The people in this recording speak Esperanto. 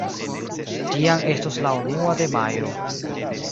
Tiam estos la unua de Majo.